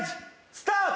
スタート。